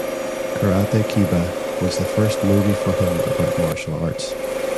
"Karate Kiba" was the first movie for him about martial arts.